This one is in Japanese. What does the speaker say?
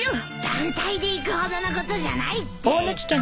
団体で行くほどのことじゃないって。